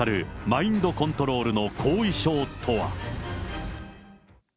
マインドコントロールの後遺症とは。